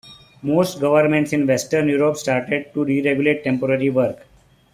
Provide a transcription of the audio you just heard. Most governments in Western Europe started to deregulate temporary work.